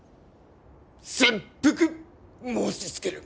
切腹申しつける。